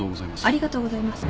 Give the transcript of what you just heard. ありがとうございます。